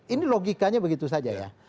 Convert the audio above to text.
ini logikanya begitu saja ya